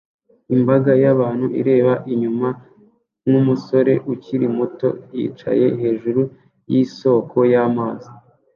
Imbaga y'abantu ireba inyuma nkumusore ukiri muto yicaye hejuru yisoko y'amazi